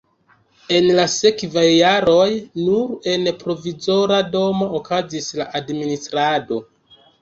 En la sekvaj jaroj nur en provizora domo okazis la administrado.